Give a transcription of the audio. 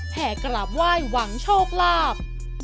แผ่กระหลับไหว้หวังโชคหลาบ